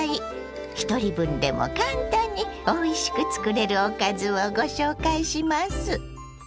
ひとり分でも簡単においしく作れるおかずをご紹介します。